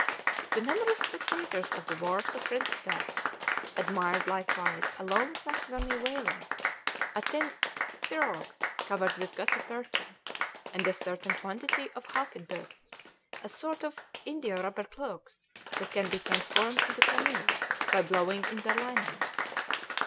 The numerous spectators on the wharfs of Prince's Docks admired likewise a long mahogany whaler, a tin pirogue covered with gutta percha, and a certain quantity of halkett boats, a sort of indiarubber cloaks that can be transformed into canoes by blowing in their lining.